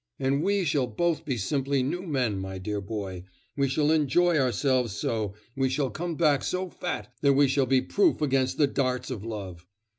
And we shall both be simply new men, my dear boy; we shall enjoy ourselves so, we shall come back so fat that we shall be proof against the darts of love!